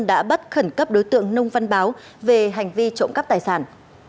đã bắt khẩn cấp đối tượng nông văn báo về hành vi trộm cắp tài sản